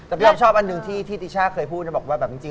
จ๊ะพี่ฟ้าชอบอันหนึ่งที่ติช่าเคยพูดแล้วบอกว่ามันจริง